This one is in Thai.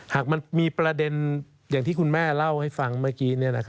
หากมันมีประเด็นอย่างที่คุณแม่เล่าให้ฟังเมื่อกี้